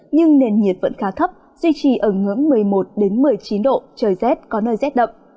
nhưng nền nhiệt vẫn khá thấp duy trì ở ngưỡng một mươi một một mươi chín độ trời rét có nơi rét đậm